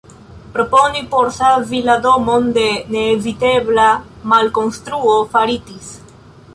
Proponoj por savi la domon de neevitebla malkonstruo faritis.